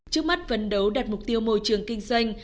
trước mắt vấn đấu đạt mục tiêu môi trường kinh doanh